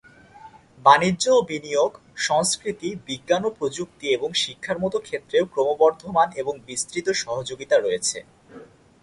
বাণিজ্য ও বিনিয়োগ, সংস্কৃতি, বিজ্ঞান ও প্রযুক্তি এবং শিক্ষার মতো ক্ষেত্রেও ক্রমবর্ধমান ও বিস্তৃত সহযোগিতা রয়েছে।